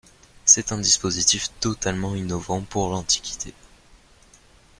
C'est un dispositif totalement innovant pour l'Antiquité.